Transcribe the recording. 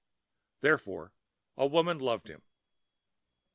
Therefore a woman loved him.